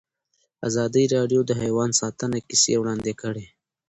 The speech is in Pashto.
ازادي راډیو د حیوان ساتنه کیسې وړاندې کړي.